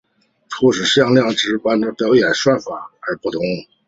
初始向量的值依密码演算法而不同。